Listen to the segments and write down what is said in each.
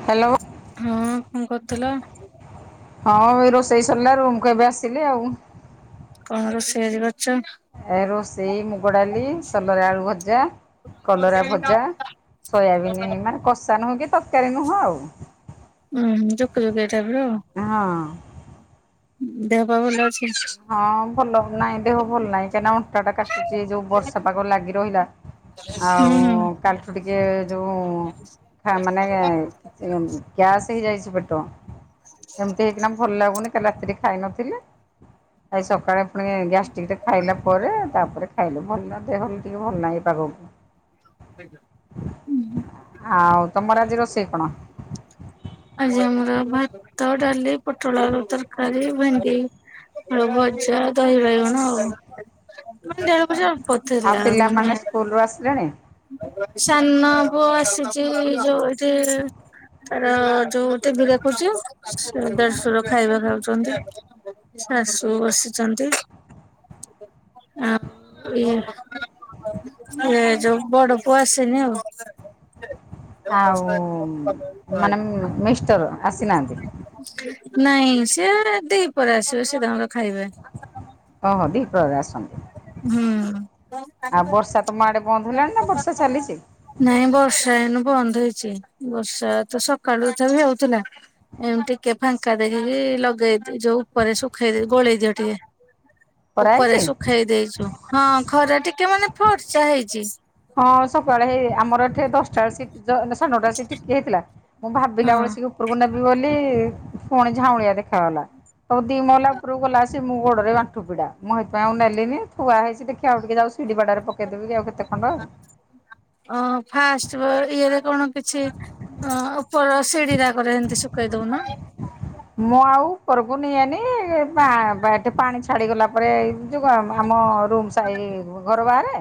Hello. ହଁ କଣ କରୁଥିଲ? ହଁ ଏ ରୋଷେଇ ସରିଲା ରୁମ୍ କୁ ଏବେ ଆସିଲି ଆଉ। କଣ ରୋଷେଇ ଆଜି କରିଚ? ଏ ରୋଷେଇ ମୁଗ ଡାଲି, ସଲରା ଆଳୁ ଭଜା, କଲରା ଭଜା। ସୋୟାବିନ୍ ମାନେ କଷା ନୁହଁ କି ତରକାରୀ ନୁହଁ ଆଉ। ଉଁ ଜୁକୁ ଜୁକିଆ ଟାଇପ ର। ହଁ। ଦେହ ପା ଭଲ ଅଛି? ହଁ ଭଲ ନାଇଁ ଦେହ ଭଲ ନାହିଁ କାହିଁକିନା ଅଣ୍ଟାଟା କାଟୁଛି ଏ ଯୋଉ ବର୍ଷା ପାଗ ଲାଗି ରହିଲା। ହୁଁ ଆଉ କାଲିଠୁ ଟିକେ ଯୋଉ ମାନେ ଗ୍ୟାସ ହେଇଯାଇଚି ପେଟ। ଏମିତି ହେଇକିନା ଭଲ ଲାଗୁନି କାଲି ରାତିରେ ଖାଇନଥିଲେ। ଆଜି ସକାଳେ ପୁଣି ଗ୍ୟାଷ୍ଟ୍ରିକ ଟା ଖାଇଲା ପରେ ତାପରେ ଖାଇଲୁ ଭଲ ଦେହ ଏମିତି ଭଲ ନାହିଁ ପାାଗକୁ। [inaudible] ହୁଁ। ଆଉ ତମର ଆଜି ରୋଷେଇ କଣ? ଆଜି ଆମର ଭାତ ଡାଲି ପୋଟଳ ଆଳୁ ତରକାରୀ ଭେଣ୍ଡି ଭଜା ଦହି ବାଇଗଣ ଆଉ [unintelligible] ଆଉ ମାନେ ପିଲାମାନେ ସ୍କୁଲରୁ ଆସିଲେଣି? ସାନ ପୁଅ ଆସିଛି ଯୋଉ ଏଠି ତାର ଯୋଉ ଟିଭି ଦେଖୁଚି, ସେ ଦେଢସୁର ଖାଇବା ଖାଉଛନ୍ତି। ଶାଶୁ ବସିଛନ୍ତି। ଆ ଇ ସେ ଯୋଉ ବଡ ପୁଅ ଆସିନି ଆଉ। ଆଉ ମାନେ ମିଷ୍ଟର୍ ଆସିନାହାନ୍ତି। ନାଇଁ ସେ ଦିପହରେ ଆସିବେ ସେ ତାଙ୍କର ଖାଇବେ। ଓହୋ ଦିପହରେ ଆସନ୍ତି ହୁଁ। ଆଉ ବର୍ଷା ତମ ଆଡ଼େ ବନ୍ଦ ହେଲାଣି ନା ବର୍ଷା ଚାଲିଛି? ନାଇଁ ବର୍ଷା ଏଇନୁ ବନ୍ଦ ହେଇଛି ବର୍ଷା ତ ସକାଳୁ ତଥାବିି ହଉଥିଲା। ଏମତି ଟିକେ ଫାଙ୍କା ଦେଖିକି ଲଗେଇଦି ଯୋଉ ଉପରେ ଶୁଖେଇ ଗୋଳେଇ ଦିଅ ଟିକେ। ଖରା ଉପରେ ହେଇଛି? ଶୁଖେଇ ଦେଇଛୁ ହଁ ଖରା ଟିକେ ମାନେ ଫର୍ଚା ହେଇଛି। ହଁ ସକାଳେ ହେଇ ଆମର ଏଠି ଦଶଟା ସାଡନଟା ରେ ଟିକେ ଟିକେ ହେଇଥିଲା। ମୁଁ ଭାବିଲା ବେଳେ ହଁ। ସେ ଉପରକୁ ନେବି ବୋଲି ପୁଣି ଝାଉଁଳିଆ ଦେଖାଗଲା। ହଉ ଦି ମହଲା ଉପକୁ ଗଲା ଆସି ମୋ ଗୋଡରେ ଆଣ୍ଠୁ ପିଡା ମୁଁ ଏଥିପାଇଁ ଆଉ ନେଲିନି ଥୁଆ ହେଇଚି ଦେଖିବାକୁ ଟିକେ ଯାଉ ସିଡ଼ି ବାଡ଼ାରେ ପକଦେବି କି ଆଉ କେତେ ଖଣ୍ଡ ଓ ଫାଷ୍ଟ ର ଇଏରେ କଣ କିଛି ଅ ଉପର ସିଡି ଯାକରେ ଏମିତି ଶୁଖେଇ ଦଉନ। ମୁଁ ଆଉ କରବୁନି ଏନି ଏ ପାଣି ଛାଡ଼ିଗଲା ପରେ ଯଉ ଆମ ରୁମ୍ ସାଇ ଘର ବାହାରେ?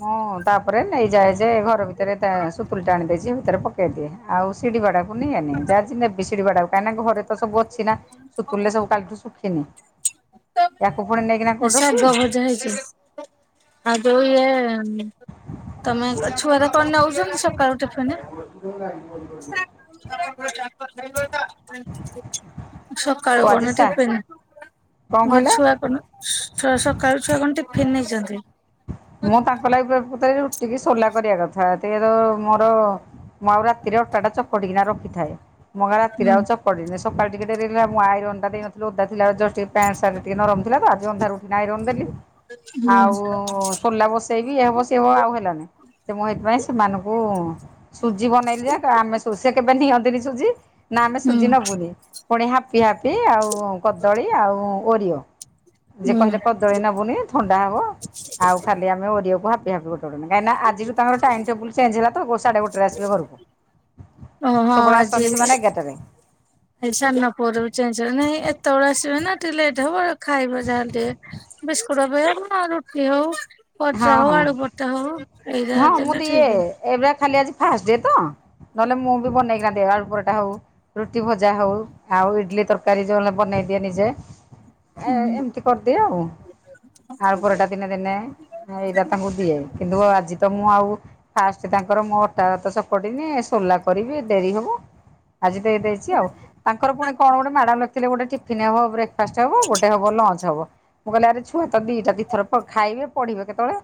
ମୁଁ ତାପରେ ନେଇଯାଏ ଯେ ଘର ଭିତରେ ସୁତୁଲି ଟା ଆଣି ଦେଇଛି ଭିତରେ ପକେଇଦିଏ ଆଉ ସିଡ଼ିଗଡ଼ା [unintelligible] କାହିଁକି ନା ଘରେ ତ ସବୁ ଅଛି। ନାଁ ସୁତୁଲି ଗୁରା ସବୁ କାଲିଠୁ ଶୁଖିନି ୟାକୁ ପୁଣି ନେଇକିନା କୋଉଠି ରଖିବି? ହେଜସ୍ ଆଉ ଯୋଉ ଇଏ ତମେଛୁଆରା କଣ ନଉଛନ୍ତି ସକାଳୁ ଟିଫିିନି? ଓ ସକାଳୁ କଣ ଆଜିସା ଟିଫିନ୍? କଣ ଗ କହିଲେ ଛୁଆ କଣ ସକାଳୁ ଛୁଆ କଣ ଟିଫିନ୍ ନେଇଛନ୍ତି? ମୁଁ ତାଙ୍କ ଲାଗି ପ୍ରକୃତରେ ରୁଟିିକି ସୋଲା କରିବା କଥା [unintelligible] ମୋର ମୁଁ ଆଉ ରାତିରେ ଅଟାଟା ଚକଟିକିନା ରଖିଥାଏ। ମୋଗା ରାତିରେ ହୁଁ ଆଉ ଚକଡ଼ିନି ସକାଳେ ଟିକେ ଟେ ରରେଲ ମୁଁ ଆଇରନ୍ ଦେଇ ନଥିଲୁ ଓଦା ଥିଲା ଜଷ୍ଟ୍ ଟିକେ ନରମ ଥିଲା ତ ଆଜି ଅନ୍ଧାରେ ଉଠି ଆଇରନ୍ ଦେଲି ହୁଁ ସରିଲା ବସେଇ ବି ଏ ବସେଇବ ଆଉ ହେଲାନି ଯେ ମୁଁ ହେଇଥିପାଇଁ ସେମାନଙ୍କୁ ସୁଜି ବନେଇଲି ଯେ ଆମେ ସବୁ ସେ କେବେ ନିଅନ୍ତିନି ସୁଜି ନା ଆମେ ହୁଁ ସୁଜି ନବୁନି ପୁଣି ହାପି ହାପି ଆଉ କଦଳୀ ଆଉ ଓରିଓ ଯିଏ ହୁଁ କହିଲେ କଦଳୀ ନବୁନି ଥଣ୍ଡା ହବ, ଆଉ ଖାଲି ଆମେ ଓରିଓ କୁ ହାପି ହାପି ଗୋ [unintelligible] କାହିଁକି ନା ଆଜିରୁ ତାଙ୍କର ଟାଇମ୍ ଟେବୁଲ୍ ଚେଞ୍ଜ ହେଲା ତ ଗୋ ସାଢ଼େ ଗୋଟେରେ ଆସିବେ ଘରକୁ ଓ ହଁ ସବୁବେଳେ ଆସନ୍ତି ଆଜି ସେମାନେ ଏଗାରଟାରେ ଏଇ ସାନପୁଅ ଯୋଗୁଁ ଚେଞ୍ଜ୍ ନାଇ ଏତେବେଳେ ଆସିବେ ନା ଟିକେ ଲେଟ୍ ହବ ଖାଇବ ଯାହା ହେଲେ ଟିକେ। ବିସ୍କୁଟ [unintelligible] ରୁଟି ହଉ ହଁ ପରଟା ହଉ ହଁ। ଆଳୁ ପରଟା ହଉ ଏଇଟା ଦେଲେ ଠିକ। ଏବେ ଖାଲି ଆଜି ଫାଷ୍ଟ ଡେ ତ ନହେଲେ ମୁଁ ବି ବନେଇକିନା ଦେଏ ଆଳୁ ପରଟା ହଉ ରୁଟି ଭଜା ହଉ ଆଉ ଇଡଲି ତରକାରୀ ଯୋଉନ ବନେଇଦିଏ ନିଜେ। ଏ ଏମିତି କରିଦିଏ ଆଉ ଆଳୁ ପରଟା ଦିନେ ଦିନେ। ଏଇଟା ତାଙ୍କୁ ଦିଏ କିନ୍ତୁ ଆଜି ତ ମୁଁ ଆଉ ଫାଷ୍ଟ ତାଙ୍କର ମୋ ଅଟା [unintelligible] ପଡି ନି ସୋଲା କରିବି ଡେରି ହବ। ଆଜି ଦେଇ ଦେଇଛି ଆଉ ତାଙ୍କର ପୁଣି କଣ ଗୋଟେ ମ୍ୟାଡାମ୍ ଲେଖିଥିଲେ ଗୋଟେ ଟିଫିନ୍ ହବ ବ୍ରେ ଫାଷ୍ଟ ହବ ଗୋଟେ ହବ ଲଞ୍ଚ ହବ, ମୁଁ କହିଲି ଆରେ ଛୁଆ ତ ଦିଟା ଦିଥର ଖାଇବେ ପଢ଼ିବେ କେତେବେଳେ?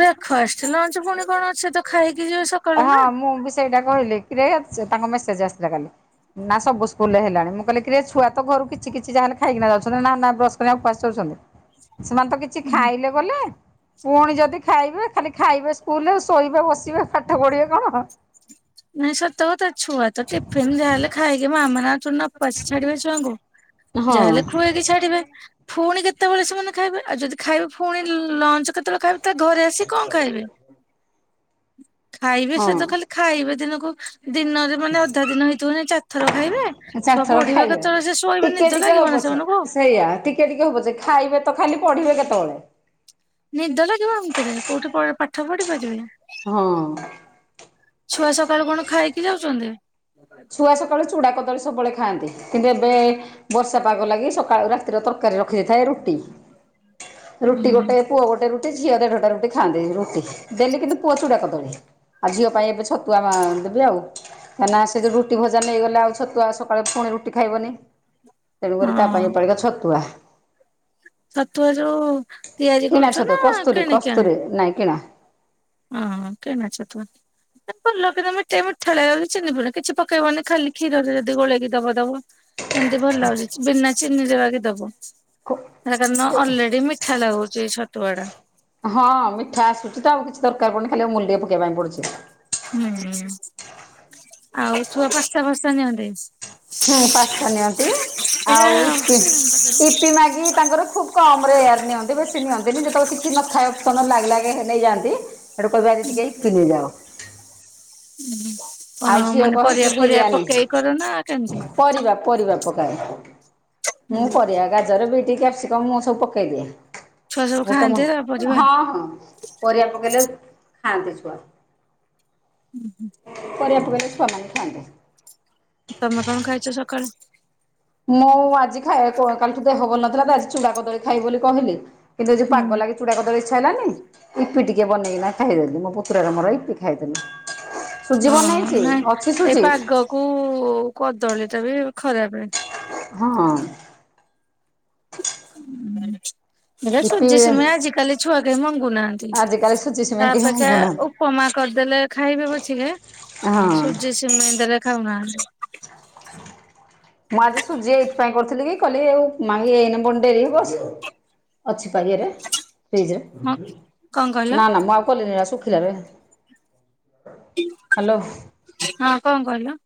ବ୍ରେକ୍ଫାଷ୍ଟ ଲଞ୍ଚ ପୁଣି କଣ ସେ ତ ଖାଇକି ଯିବ ସ ହଁ ମୁଁ ବି ସେଟା କହିଲି କିରେ ତାଙ୍କ ମେସେଜ ଆସିଲା କାଲି। ନା ସବୁ ସ୍କୁଲ ରେ ହେଲାଣି ମୁଁ କହିଲି କିରେ ଛୁଆ ତ ଘରୁ କିଛି କିଛି ଜାଗାରେ ଖାଇକିନା ଯାଉଛନ୍ତି ନା ବ୍ରସ୍ କରି ଉପାସ ଯାଉଛନ୍ତି? ସେମାନେ ତ କିଛି ଖାଇଲେ ବଲେ ପୁଣି ଯଦି ଖାଇବେ ଖାଲି ଖାଇବେ ସ୍କୁଲରେ ଆଉ ଶୋଇବେ ବସିବେ ପାଠ ପଢିବେ କଣ? ନାଇଁ ସତ କଥା ଛୁଆ ତ ଟିଫିିନ ଯାହା ହେଲେ ଖାଇକି ମାଆ ମାନେ ଆଉ ଥୋଡିନା ଉପାସ ଛାଡିବେ ଛୁଆଙ୍କୁ। ହଁ ଯାହାହେଲେ ଖୁଏଇକି ଛାଡିବେ। ଫୁଣି କେତେବେଳେ ସେମାନେ ଖାଇବେ ଆଉ ଯଦି ଖାଇବେ ଫୁଣି ଲଞ୍ଚ କେତେବେଳେ ଖାଇବେ ତା ଘରେ ଆସି କଣ ଖାଇବେ, ଖାଇବେ ସେ ହଁ। ତ ଖାଲି ଖାଇବେ। ଦିନକୁ ଦିନରେ ମାନେ ଅଧା ଦିନ ହେଇଥିବ କି ନାହିଁ ଚାରିଥର ଖାଇବେ। ଛୁଆ ଚାରିଥର ପଢିବେ ଖାଇବେ। କେତବେଳେ ସେ ଶୋଇବେ ଟିକେ ନିଦ ଟିକେ ଲାଗିବ ହଉ ନା ପଛେ ସେମାନଙ୍କୁ। ସେଇଆ ଠିକ୍। ଟିକେ ଟିକେ ହଉ ପଛେ ଖାଇବେ ତ ଖାଲି ପଢିବେ କେତେବେଳେ? ନିଦ ଲାଗିବ ଭିତରେ କୋଉଠି ପ ପାଠ ପଢି ପାରିବେ? ହଁ। ଛୁଆ ସକାଳୁ କଣ ଖାଇକି ଯାଉଚନ୍ତି? ଛୁଆ ସକାଳୁ ଚୁଡ଼ା କଦଳୀ ସବୁବେଳେ ଖାଆନ୍ତି। କିନ୍ତୁ ଏବେ ବର୍ଷା ପାଗ ଲାଗି ସକାଳୁ ରାତିର ତରକାରୀ ରଖି ଦେଇେଥାଏ ରୁଟି। ରୁଟି ଗୋଟେ ପୁଅ ଗୋଟେ ରୁ ଝିଅ ଟା ରୁଟି ଖାନ୍ତି ରୁଟି ଡେଲ୍ଲୀ କିନ୍ତୁ ପୁଅ ଚୁଡା କଦଳୀ। ଆଉ ଝିଅ ପାଇଁ ଏବେ ଛତୁଆ ଦେବି ଆଉ କାହିଁକି ନା ସେ ଯଉ ରୁଟି ଭଜା ନେଇଗଲେ ଆଉ ଛତୁଆ ସକାଳେ ପୁଣି ରୁଟି ଖାଇବନି। ତେଣୁକରି ତା ପାଇଁପଡିକା ଛତୁଆ। ଛତୁଆ ଯୋଉ ତିଆରି କିଣା କରୁଛ ଛତୁଆ ନା କସ୍ତୁରୀ କିଣିିକି ଆଣ? କସ୍ତୁରୀ ନାଇଁ କିଣା। ହଁ କେନା ଛତୁଆ। [unintelligible] ଟିକେ ମିଠାଳିଆ ଚିନି ଫିନି କିଛି ପକେଇବନି ଖାଲି କ୍ଷୀରରେ ଯଦି ଗୋଳେଇକି ଦବ ଦବ। ଏମିତି ଭଲ ଲାଗୁଛି ବିନା ଚିନି ରେ ବାକି ଦବ। ସେଟା କାରଣ ଅଲରେଡି ମିଠା ଲାଗୁଛି ଛତୁଆଟା। ହଁ ମିଠା ଆସୁଛି ତ ଆଉ କିଛି ଦରକାର ପଡୁନି ଖାଲି ଅମୂଲ ଟିକେ ପକେଇବା ପାଇଁ ପଡୁଛି। ହୁଁ ଆଉ ଛୁଆ ପାସ୍ତା ଫାସ୍ତା ନିଅନ୍ତି। ହୁଁ ପାସ୍ତା ନିଅନ୍ତି ଏଇଟା ଆଉ ଇପି ଇପି ମାଗି ତାଙ୍କର ଖୁବ କମ ରେୟାର ନିଅନ୍ତି ବେଶୀ ନିଅନ୍ତିନି ଯେତେବେଳେ କିଛି ନଥାଏ ଅପସନ ଲାଗେ ଲାଗେ ନେଇଯାଆନ୍ତି। ସେଠୁ କହିବି ଆଜି ଟିକେ ଇପି ନେଇଯାଅ। ହୁଁ। ଆଉ ଝିଅ କହେକି ବିରିୟାନୀ ନା କେମିତି? ପରିବା ପରିବା ପକାଏ। ମୁଁ ପରିଆ ଗାଜର ବିଟି କ୍ୟାପସିକମ ମୁଁ ସବୁ ପକେଇଦିଏ। ଛୁଆ ସବୁ ବୋଟ ଖାଆନ୍ତି ଏରା ମୁହଁ ପରିବା ହଁ ହଁ ପରିବା ପକେଇଲେ ଖାଆନ୍ତି ଛୁଆ। ପରିଆ ପକେଇଲେ ଛୁଆମାନେ ଖାଆନ୍ତି। ତମେ କଣ ଖାଇଛ ସକାଳେ? ମୁଁ ଆଜି ଖାଇଆକୁ କାଲିଠୁ ଦେହ ଭଲ ନଥିଲା ତ ଆଜି ଚୁଡ଼ା କଦଳୀ ଖାଇବି ବୋଲି କହିଲି କିନ୍ତୁ ଆଜି ହୁଁ ପାଗ ଲାଗିଛି। ଚୁଡ଼ା କଦଳୀ ଇଚ୍ଛା ହେଲାଣି। ଇପି ଟିକେ ବନେଇକିନା ଖାଇଦେଲୁ ମୋ ପୁତୁରାର ମୋର ଇପି ଖାଇଦେଲୁ। ସୁଜି ବନେଇଛି ଅଛି ସୁଜି କୁ କଦଳୀ ଟା ବି ଖରାପ। ହଁ। ଇପି ସୂଜି ସିମେଇ ଆଜିିକାଲି ଛୁଆ କେହି ମଙ୍ଗୁନାହାନ୍ତି। ଆଜିକାଲି ସୁଜି ସିମେଇ ତା କେହି ଅପେକ୍ଷା ମଙ୍ଗୁନାହାନ୍ତି ଉପମା କରିଦେଲେ ଖାଇବେ ପଛିକା ହଁ। ସିମେଇ ଦେଲେ ଖାଉନାହାନ୍ତି। ମୁଁ ଆଜି ସୁଜି ଏଇଥିପାଇଁ କରିଥିଲି କି କହିଲି ଆଉ ମ୍ୟାଗି ଏଇ ନ ଫୁଣି ଡେରିରେ ବସିବ। ଅଛି ପା ଇଏ ରେ ଫ୍ରୀଜରେ ମ କଣ କହିଲ ନା ନା ମୁଁ ଆଉ। କଲେରା ଶୁଖିଲା ରେ ହ୍ୟାଲୋ। ହଁ କଣ କହିଲୁ?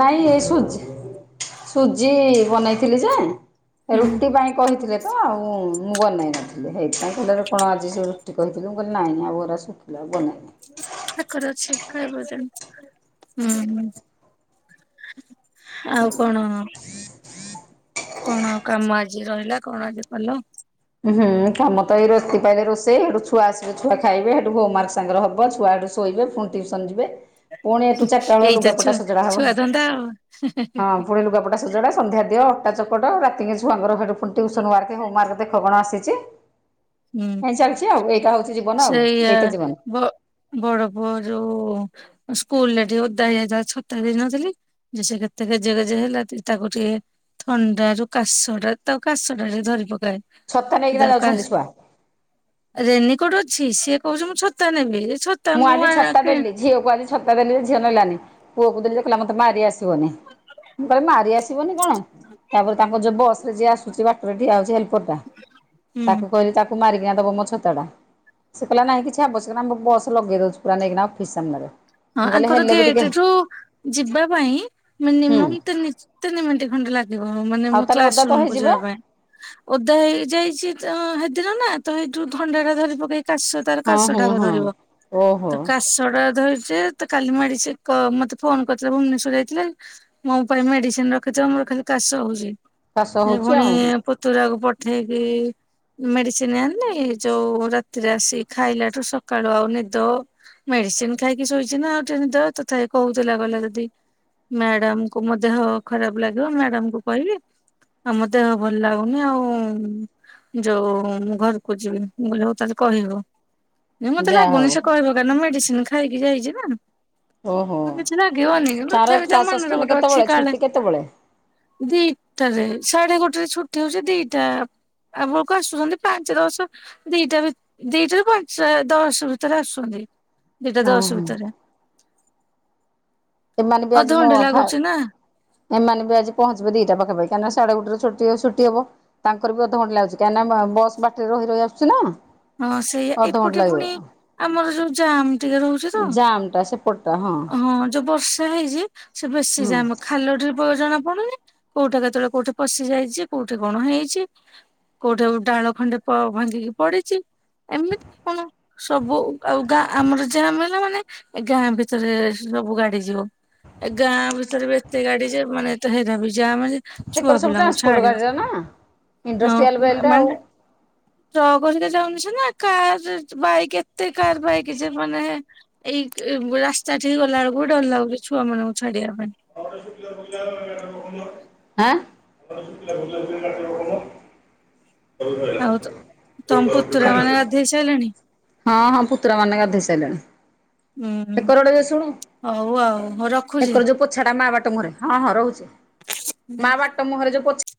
ନାଇଁ ଏ ସୁଜି ସୁଜି ବନେଇଥିଲି ଯେ ହୁଁ ରୁଟି ପାଇଁ କହିଥିଲେ ତ ଆଉ ମୁଁ ବନେଇ ନଥିଲି ସେଇଥିପାଇଁ କହିଲେ ଆପଣ ଆଜି ସେ ରୁଟି କହିଥିଲୁ କହିଲେ ନାଇଁ ନାଇଁ ଆଉ ଗରା ଶୁଖିଲା ଆ ବନେଇନାହିଁ। ପାଖରେ ଅଛି ଖାଇବ ଯେ ଉଁ ହୁଁ। ଆଉ କଣ? କଣ କାମ ଆଜି ରହିଲା କଣ ଆଜି କଲ? ହୁଁ କାମ ତ ଏଇ ରାତିକା ପାଇଁ ରୋଷେଇ ପାଇଲେ ସେଠୁ ଛୁଆସିବେ ଛୁଆ ଖାଇବେ ସେଠୁ ହୋମୱାର୍କ ସାଙ୍ଗରେ ହବ ଛୁଆ ସେଠୁ ଶୋଇବେ ଫୁଣି ଟିଉସନ୍ ଯିବେ। ପୁଣି ଏଠୁ ଚାରିଟା ବେଳ ଏଇତ ଲୁଗାପଟା ଛୁଆ ସଜଡା ହବ ଛୁଆ ଧନ୍ଦା ଆଉ। ହଁ ପୁଣି ଲୁଗାପଟା ସଜଡା ସନ୍ଧ୍ୟା ଦିଅ ଅଟା ଚକଟ ରାତିକି ଛୁଆଙ୍କର ସେଠୁ ଫୁଣି ଟିଉସନୱାର୍କ ହୋମୱାର୍କ। ଦେଖ କଣ ଆସିଚି ହୁଁ ଏ ଚାଲଚି ଆଉ ଏଇଟା ହଉଛି ଜୀବନ ଆଉ ଏଇତ ଜୀବନ। ବଡପୁଅ ଯୋଉ ସ୍କୁଲରେ ଟିକେ ଓଦା ହେଇ ଯାଇଥିଲା ଛତା ଦେଇନଥିଲି। ଯେ ସେ କେତେ ଗେଜେ ଗେଜେ ହେଲା ତି ତାକୁଟିଏ ଥଣ୍ଡାରୁ କାଶଟା ତାକୁ କାଶଟା ଯେ ଧରି ପକାଏ। ଛତା ନେଇକିନା ଯାଉଛନ୍ତି ଛୁଆ। ରେନି କୋଟ ଅଛି ସିଏ କହୁଚି ମୁଁ ଛତା ନେବି ଏ ଛ ମୁଁ ଆଜି ଛତା ଦେଲି। ଝିଅକୁୁ ଆଜି ଛତା ଦେଲି ଯେ ଝିଅ ନେଲାନି ପୁଅକୁ ଦେଲି ଯେ କଇଲା ମତେ ମାରି ଆସିବନି ମୁଁ କଇଲି ମାରି ଆସି ତିବନି କଣ ତାପରେ ତାଙ୍କ ଯିଏ ବସରେ ଯିଏ ଆସୁଚି ବାଟରେ ଠିଆ ହଉଚି ହେଲପ୍ ପରଟା ହୁଁ ତାକୁ କହିଲି ତା ମାରିକିନା ଦବ ମୋ ଛତାଟା ସିଏ କଇଲା ନାହିଁ କିଛି ଆବଶ୍ୟକ ନାଇଁ ମୋ ବସ୍ ଲଗେଇ ଦଉଚି ପୁରା ନେଇକିନା ଅଫିସ୍ ସାମ୍ନାରେ। ହଁ ମୁଁ କହିଲି ଆଙ୍କର ହେଲେ ବି ଟିକେ ଗେଟେଠୁ ଯିବା ପାଇଁ ହୁଁ ମିନିମମ୍ ତିନି ଚି ତିନି ମିଣ୍ଟି ଖଣ୍ଡେ ଲାଗ୍ ଯିବୁନୁ ମାନେ ଆଉ ମୁଁ ତାହେଲେ କ୍ଲାସ୍ ଓଦା ତ ରୁମକୁୁ ହେଇଯିବେ ଯିବା ପାଇଁ। ଓଦା ହେଇଯାଇଛି ତ ହେଦିନ ନା ତ ଏଇ ଯୋଉ ଥଣ୍ଡାଟା ଧରି ପକେଇ କାଶ ତାର ହଁ ହଁ କାଶଟାକୁ ହଁ ଧରିବ ଓହୋ ତ କାଶଟା ଧରି ଚି ତ କାଲି ମାଡିଚି କ ମତେ ଫୋନ୍ କରିଥିଲା ଭୁବନେଶ୍ଵର ଯାଇଥିଲା। ମୁଁ ପା ମେଡିସିନ୍ ରଖିଚି ଆମର ଖାଲି କାଶ ହଉଚି କାଶ ଦି ହଉଛି ଭଉଣୀ ଆଉ ଆପ ତୁରାକୁ ପଠେଇକି ମେଡିସିନ୍ ଆଣିଲି ଯୋଉ ରାତିରେ ଆସିିକି ଖାଇଲାଠୁ ସକାଳୁ ଆଉ ନିଦ ମେଡିସିନ୍ ଖାଇକି ଶୋଇଚି ନା ଆଉ ଟିକେ ନିଦ ତଥାପି କହୁଥିଲା କହିଲା ଯଦି ମ୍ୟାଡାମକୁ ମୋ ଦେହ ଖରାପ ଲାଗିବ ମ୍ୟାଡାମକୁ କହିବି। ଆଉ ମୋ ଦେହ ଭଲ ଲାଗୁନି ଆଉ। ଯୋଉ ମୁଁ ଘରକୁ ଯିବି ମୁଁ କହିଲି ହଉ ତାହେଲେ କହିବୁ। ମୁଁ ମତେ ଯାହା ଲାଗୁନି ହଉ ସେ କହିବ କାଇଁ ନା ମେଡିସିନି ଖାଇକି ଯାଇଚି ନା। ଓହୋ ଆଉ କିଛି ଲାଗିବନି କିନ୍ତୁ ତାର ତଥାପି ତା କ୍ଲାସ ସସ୍ପେଣ୍ଡ ମନେରେ ଗୋଟେ କେତେବେଳେ ଅଛି ଛୁଟି କାଳେ କେତେବେଳେ ଦିଟାରେ ସାଢେ ଗୋଟରେ ଛୁଟି ହଉଚି ଦିଟା ଆମ ଆକୁ ଆସୁଛନ୍ତି ପାଞ୍ଚ ଦଶ ଦିଇଟା ଭି ଦିଇଟାରୁ ପାଞ୍ଚଟା ଦଶ ଭିତେରେ ଆସୁଚନ୍ତି ଦିଇଟା ଦଶ ଓହୋ ଭିତେରେ। ଏମାନେ ବି ଆଜି ମୋ ଅଧଘଣ୍ଟେ ଆ ଲାଗୁଛି ଫାଡ୍ ନା ଏମାନେ ବି ଆଜି ପହଞ୍ଚିବେ ଦିଇଟା ପାଖାପାଖି କାଇଁନା ସାଢେ ଗୋଟେରେ ଛୁଟି ସୁଟି ହବ। ତାଙ୍କର ବି ଅଧଘଣ୍ଟେ ଲାଗୁଚି କାଇଁନା ମା ବସ୍ ବାଟରେ ରହି ରହି ଆସୁଚି ନା। ହଁ ସେଇଆ ଅଧଘଣ୍ଟା ଏପଟେ ଲାଗିବ। ଫୁଣି ଆମର ଯୋଉ ଜାମ୍ ଟିକେ ରହୁ ଛି ତ ଜାମ୍ ଟା ସେପଟଟା ଆଉ ହଁ ଯୋଉ ବର୍ଷା ହେଇଚି ସେ ବେଶି ହୁଁ ଜାମ୍ ଖାଲ ଢି ପ ଜଣା ପଡୁନି କୋଉଠା କେତେବେଳେ କୋଉଠି ପଶି ଯାଇଚି କୋଉଠେ କଣ ହେଇଚି। କୋଉଠେ ଉ ଡାଳ ଖଣ୍ଡେ ପ ଭାଙ୍ଗିକି ପଡିଚି। ଏମିତି କଣ ସବୁ ଉ ଆଉ ଗାଁ ଆମର ଜାମ୍ ହେଲା ମାନେ ଏ ଗାଁ ଭିତରେ ସବୁ ଗାଡି ଯିବ। ଏ ଗାଁ ଭିତରେ ବି ଏତେ ଗାଡି ଯେ ମାନେ ଏତେ ହଇରାଣ ବି ଜାମ୍ ଯେ ସେକରେ ସବୁ ଛୁଆପୁଲାଙ୍କୁ ଟ୍ରାନ୍ସପୋର୍ଟ ଛାଡିବ ଗାଡ଼ିରେ ନା। ହଁ ଇଣ୍ଡଷ୍ଟ୍ରିଆଲ ନ ବେଲ୍ଟ ନ ଆଉ ଆଁ। ନହେଲେ ଟ୍ରକ ସିନା ଯାଉନି ସିନା କାର୍ ଚୁ ଚ୍ ବାଇକ୍ ଏତେ କାର୍ ବାଇକ୍ ଯେ ମାନେ ଏଇ କି ବ ରାସ୍ତା ଠିକି ଗଲାବେଳୁକୁ ଡର୍ ଲାଗୁଚି ଛୁଆମାନଙ୍କୁ ଛାଡିଆ ପାଇଁ। [inaudible] [inaudible] ଧେଇ ସାଇଲଣି। ହଁ ହଁ ପୁତୁରାମାନେ ଗାଧୋଇ ସାଇଲେଣି। ଉୁଁ କେତେ ବଡ ବଡ ହେବେ ସବୁ? ହଉ ଆଉ ହଉ ରଖୁଛି। [unintelligible] ହଁ ହଁ ରହୁଚି। ହୁଁ [unintelligible]